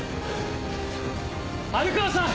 鮎川さん！